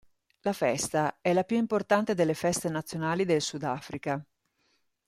La festa è la più importante delle feste nazionali del Sudafrica.